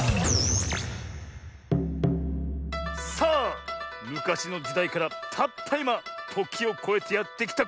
さあむかしのじだいからたったいまときをこえてやってきたこれ。